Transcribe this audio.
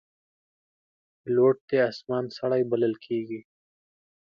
پیلوټ د آسمان سړی بلل کېږي.